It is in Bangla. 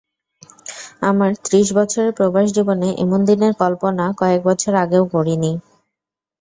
আমার ত্রিশ বছরের প্রবাসজীবনে এমন দিনের কল্পনা কয়েক বছর আগেও করিনি।